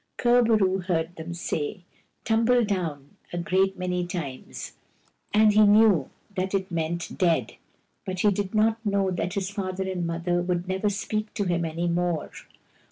Kur bo roo heard them say " tum ble down " a great many times, and he knew that it meant " dead "; but he did not know that his father and mother would never speak to him any more.